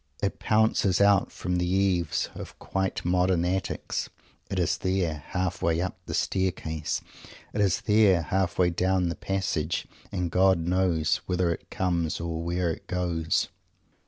It pounces out from the eaves of quite modern attics. It is there, halfway up the Staircase. It is there, halfway down the Passage. And God knows whither it comes or where it goes!